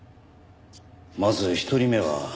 まず１人目は。